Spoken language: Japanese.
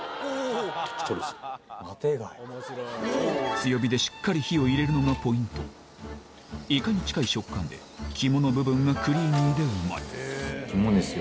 強火でしっかり火を入れるのがポイントイカに近い食感で肝の部分がクリーミーでうまい肝ですよ